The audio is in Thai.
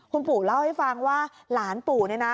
คุณปู่เล่าให้ฟังว่าหลานปู่เนี่ยนะ